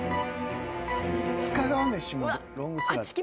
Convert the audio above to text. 深川めしもロングセラー。